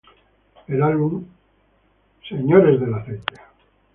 The Album", "Lords Of Oi!